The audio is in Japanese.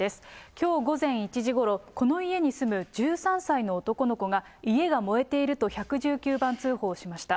きょう午前１時ごろ、この家に住む１３歳の男の子が、家が燃えていると１１９番通報しました。